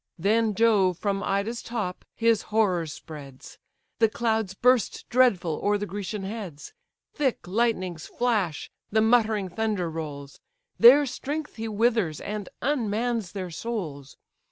Then Jove from Ida's top his horrors spreads; The clouds burst dreadful o'er the Grecian heads; Thick lightnings flash; the muttering thunder rolls; Their strength he withers, and unmans their souls.